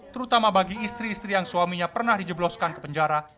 terutama bagi istri istri yang suaminya pernah dijebloskan ke penjara